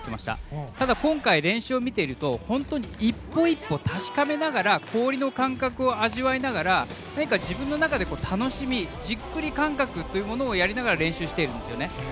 ただ、今回の練習を見ていると本当に一歩一歩確かめながら氷の感覚を味わいながら自分の中で楽しみじっくり感覚というのをやりながら練習しているんですよね。